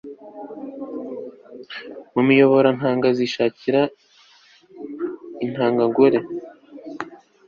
mu miyoborantanga zishakisha intanga ngore